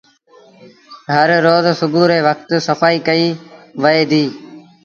هر روز سُوڀو ري وکت سڦآئيٚ ڪئيٚ وئي ديٚ۔